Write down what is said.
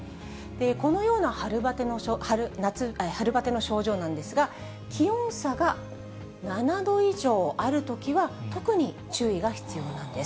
このような春バテの症状なんですが、気温差が７度以上あるときは特に注意が必要なんです。